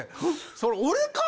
それ俺か？